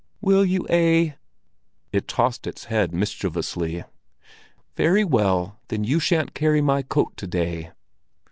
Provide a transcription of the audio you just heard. "Will you, eh?" It tossed its head mischievously. "Very well, then you shan't carry my coat to day."